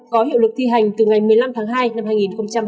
có hiệu lực thi hành từ ngày một mươi năm tháng hai năm hai nghìn hai mươi